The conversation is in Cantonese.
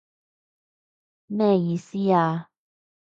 咩意思啊？